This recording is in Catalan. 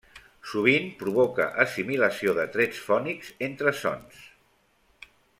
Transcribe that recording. Sovint provoca assimilació de trets fònics entre sons.